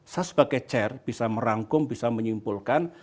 saya sebagai chair bisa merangkum bisa menyimpulkan